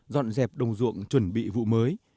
dọn dẹp đồng ruộng chuẩn bị vụ mới